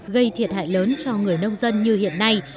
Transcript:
gây thiệt hại lớn cho người nông dân như hiện nay